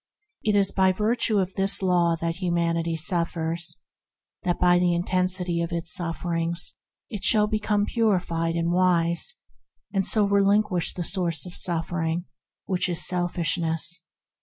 It is by virtue of this Law that Humanity suffers, in order that by the intensity of its sufferings it shall at last become purified and wise, and so relinquish the source of suffering, which is selfishness.